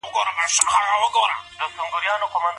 د پیل سوي خط پای ته رسول د پرله پسي هڅي نښه ده.